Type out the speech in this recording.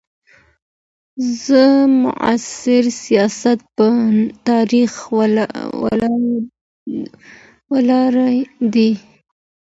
زموږ معاصر سیاست په تاریخ ولاړ دی.